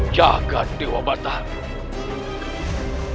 jahat dewa batahmu